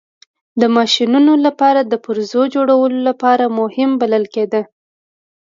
د ماشینونو لپاره د پرزو جوړولو لپاره مهم بلل کېده.